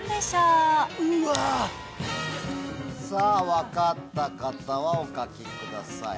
分かった方はお書きください。